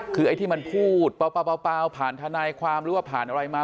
คือไอ้ที่มันพูดเปล่าผ่านทนายความหรือว่าผ่านอะไรมา